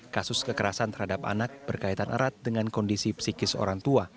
kasus kekerasan terhadap anak berkaitan erat dengan kondisi psikis orang tua